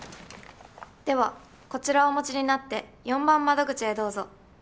ではこちらをお持ちになって４番窓口へどうぞ。